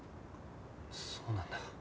そうなんだ。